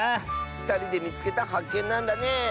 ふたりでみつけたはっけんなんだね！